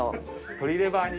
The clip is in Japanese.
鶏レバー煮。